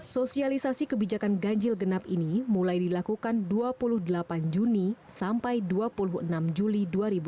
sosialisasi kebijakan ganjil genap ini mulai dilakukan dua puluh delapan juni sampai dua puluh enam juli dua ribu dua puluh